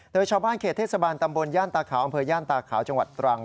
โดยชาวบ้านเขตเทศบาลตำบลย่านตาขาวอำเภอย่านตาขาวจังหวัดตรัง